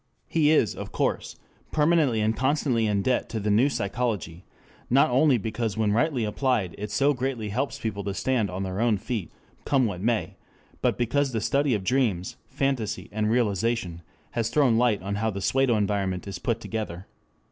He is, of course, permanently and constantly in debt to the new psychology, not only because when rightly applied it so greatly helps people to stand on their own feet, come what may, but because the study of dreams, fantasy and rationalization has thrown light on how the pseudo environment is put together.